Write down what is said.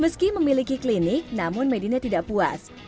meski memiliki klinik namun medina tidak puas